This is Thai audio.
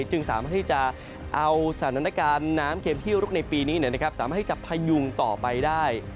จึงสามารถที่จะเอาสถานการณ์น้ำเข็มที่ลุกในปีนี้สามารถให้จะพยุงต่อไปได้